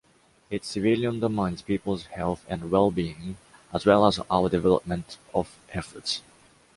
It severely undermines people's health and well-being, as well as our development efforts.